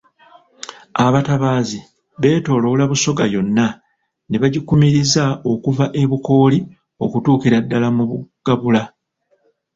Abatabaazi beetooloola Busoga yonna ne bagikumiriza okuva e Bukooli okutuukira ddala mu Bugabula.